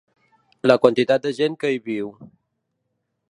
La quantitat de gent que hi viu.